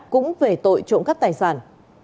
cũng về tội trộm cắp tài sản